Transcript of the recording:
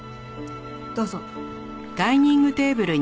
どうぞ。